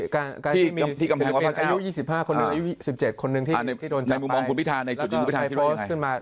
การที่มีอายุ๒๕๑๗คนหนึ่งที่โดนจำไปมาพูดโปสต์ขึ้นมา